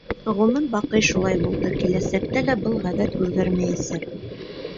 Ғүмер баҡый шулай булды, киләсәктә лә был ғәҙәт үҙгәрмәйәсәк.